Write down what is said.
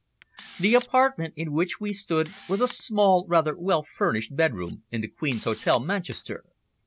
The apartment in which we stood was a small, rather well furnished bedroom in the Queen's Hotel, Manchester.